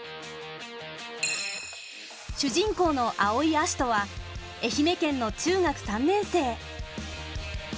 主人公の青井葦人は愛媛県の中学３年生。